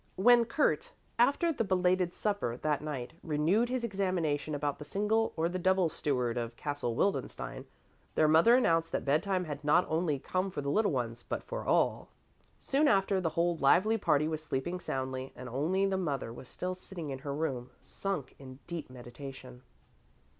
When Kurt, after the belated supper that night, renewed his examination about the single or the double Steward of Castle Wildenstein, their mother announced that bedtime had not only come for the little ones, but for all. Soon after, the whole lively party was sleeping soundly and only the mother was still sitting in her room, sunk in deep meditation.